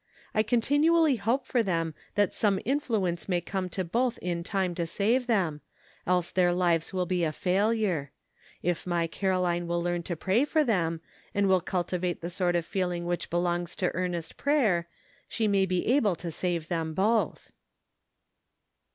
I continually hope for them that some influence may come to both in time to save them, else their lives will be a failure. If my Caroline will learn to pray for them, and will cultivate the sort of feeling which belongs to eaxnest prayer, she may be able to save them both."